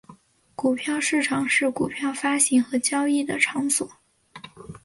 股票市场是股票发行和交易的场所。